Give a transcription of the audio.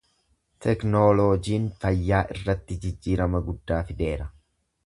Teknooloojiin fayyaa irratti jijjiirama guddaa fideera.